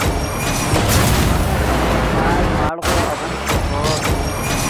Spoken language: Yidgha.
ترے سامانف ملن چائے، مڑغو اڤن شوکور